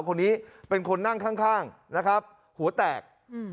คนนี้เป็นคนนั่งข้างข้างนะครับหัวแตกอืม